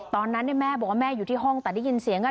ตอนนั้นแม่บอกว่าแม่อยู่ที่ห้องแต่ได้ยินเสียง